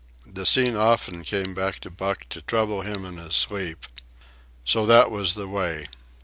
The scene often came back to Buck to trouble him in his sleep. So that was the way.